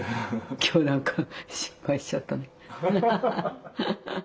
今日何か失敗しちゃったな。